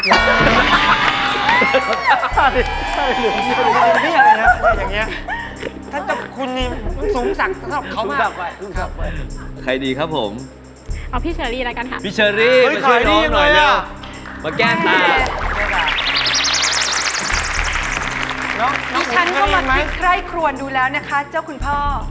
อิฉันก็มาติ๊กไล่ครวนดูแล้วนะคะเจ้าคุณพ่อ